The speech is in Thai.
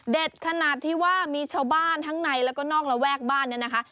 ขนาดที่ว่ามีชาวบ้านทั้งในแล้วก็นอกระแวกบ้านเนี่ยนะคะ